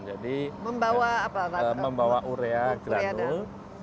jadi membawa urea granul